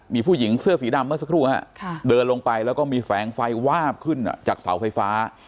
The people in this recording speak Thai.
มีผู้หญิงเสื้อสีดำเมื่อสักครู่เดินลงไปแล้วก็มีแฝงไฟวาบขึ้นจากเสาไฟฟ้า